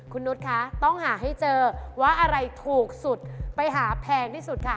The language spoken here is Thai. คุณนุษย์คะต้องหาให้เจอว่าอะไรถูกสุดไปหาแพงที่สุดค่ะ